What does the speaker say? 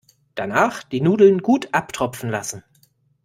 Danach die Nudeln gut abtropfen lassen.